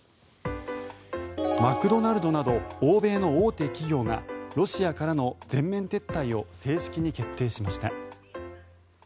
マクドナルドなど欧米の大手企業がロシアからの全面撤退を正式に決定しました。